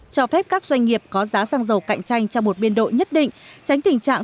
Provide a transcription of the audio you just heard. cho phép các doanh nghiệp có giá xăng dầu cạnh tranh trong một biên độ nhất định tránh tình trạng